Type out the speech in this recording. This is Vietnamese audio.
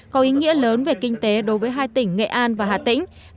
có ý nghĩa lớn về kinh tế đối với hai tỉnh nghệ an và hà tĩnh